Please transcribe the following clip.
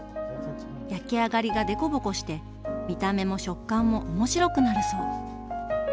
焼き上がりがでこぼこして見た目も食感も面白くなるそう。